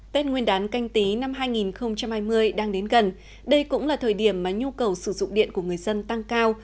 tết nguyên đán canh tí năm hai nghìn hai mươi đang đến gần đây cũng là thời điểm mà nhu cầu sử dụng điện của người dân tăng cao